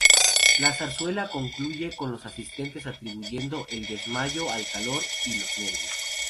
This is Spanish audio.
La zarzuela concluye con los asistentes atribuyendo el desmayo al calor y los nervios.